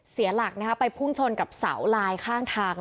เสียหลักไปพุ่งชนกับเสาลายข้างทาง